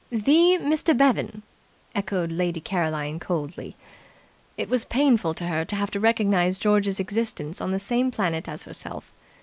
"The Mr. Bevan?" echoed Lady Caroline coldly. It was painful to her to have to recognize George's existence on the same planet as herself.